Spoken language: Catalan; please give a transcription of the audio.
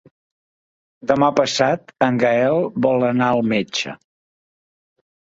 Demà passat en Gaël vol anar al metge.